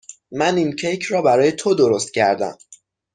من این کیک را برای تو درست کردم.